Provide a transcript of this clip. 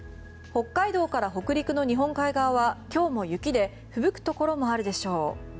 北海道から北陸の日本海側は今日も雪でふぶくところもあるでしょう。